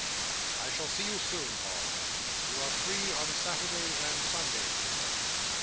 "I shall see you soon, Paul. You are free on Saturdays and Sundays, you know."